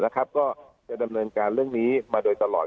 ก็จะดำเนินการเรื่องนี้มาโดยตลอด